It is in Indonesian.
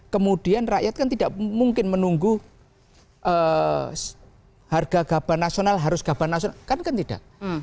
kemudian rakyat kan tidak mungkin menunggu harga gabah nasional harus gabar nasional kan tidak